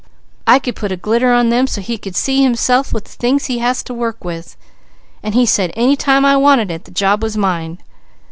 I could put a glitter on them so he could see himself with the things he has to work with, and he said any time I wanted it, the job was mine.